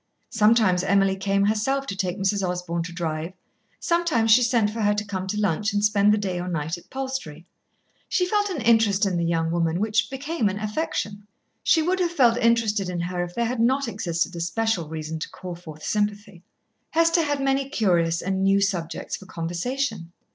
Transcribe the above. Sometimes Emily came herself to take Mrs. Osborn to drive, sometimes she sent for her to come to lunch and spend the day or night at Palstrey. She felt an interest in the young woman which became an affection. She would have felt interested in her if there had not existed a special reason to call forth sympathy. Hester had many curious and new subjects for conversation.